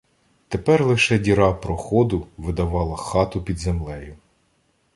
Тепер лише діра проходу видавала "хату" під землею.